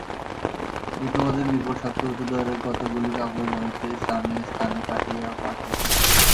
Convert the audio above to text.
আমি তোমাদের নিকট সবচেয়ে উঁচুদরের কতকগুলি কাগজ হইতে স্থানে স্থানে কাটিয়া পাঠাইতেছি।